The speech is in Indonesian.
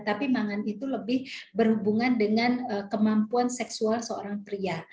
tapi mangan itu lebih berhubungan dengan kemampuan seksual seorang pria